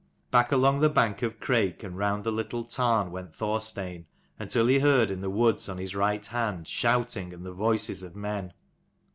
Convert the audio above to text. Back along the bank of Crake and round the little tarn went Thorstein until he heard, in the woods on his right hand, shouting, and the voices of men.